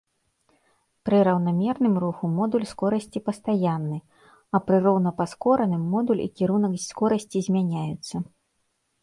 Пры раўнамерным руху модуль скорасці пастаянны, а пры роўнапаскораным модуль і кірунак скорасці змяняюцца.